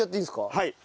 はい。